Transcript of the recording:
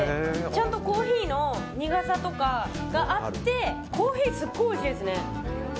ちゃんとコーヒーの苦さとかがあってコーヒー、すごくおいしいですね。